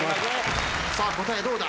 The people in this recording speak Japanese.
さあ答えどうだ？